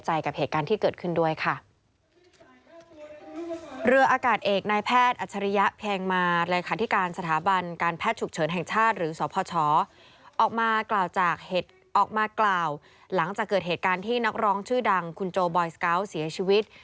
หลังจากเกิดเหตุการณ์ที่นักร้องชื่อดังคุณโจบอยสกาวต์เสียชีวิต